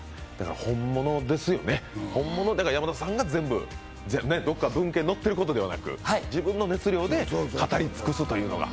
本物ですよね、山田さんが全部、どこかに文献に載っていることではなく、自分の熱量で語り尽くすという。